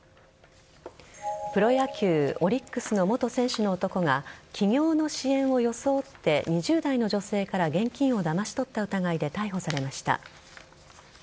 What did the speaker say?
プロ野球オリックスの元選手の男が起業の支援を装って２０代の女性から現金をだまし取った疑いで逮捕されました。